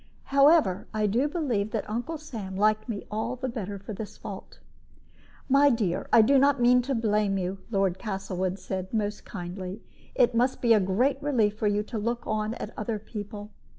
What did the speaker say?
However, I do believe that Uncle Sam liked me all the better for this fault. "My dear, I did not mean to blame you," Lord Castlewood said, most kindly; "it must be a great relief for you to look on at other people.